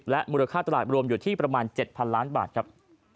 มูลค่าตลาดรวมอยู่ที่ประมาณ๗๐๐ล้านบาทครับ